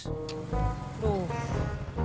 gampang itu ntar tinggal diurus